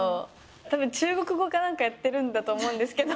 たぶん中国語かなんかやってるんだと思うんですけど。